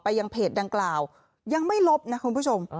ยังเพจดังกล่าวยังไม่ลบนะคุณผู้ชม